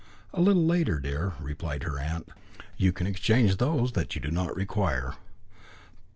"A little later, dear," replied her aunt, "you can exchange those that you do not require."